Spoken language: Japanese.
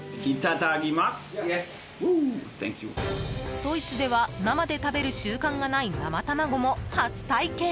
ドイツでは生で食べる習慣がない生卵も初体験。